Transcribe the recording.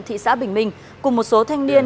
thị xã bình bình cùng một số thanh niên